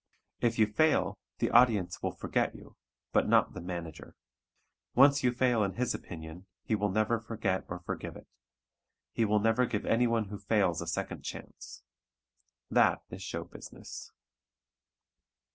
If you fail, the audience will forget you; but not the manager. Once you fail in his opinion, he will never forget or forgive it. He will never give anyone who fails a second chance. That is "show business."